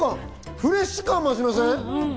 フレッシュ感、増しません？